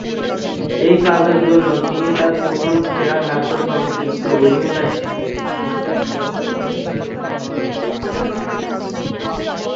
এই কাজের জন্য তিনি তার প্রথম সেরা নাট্য চলচ্চিত্র অভিনেতা বিভাগে গোল্ডেন গ্লোব পুরস্কারের মনোনয়ন লাভ করেন।